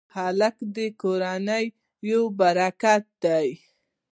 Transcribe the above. هلک د کورنۍ یو برکت دی.